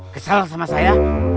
kesel sama saya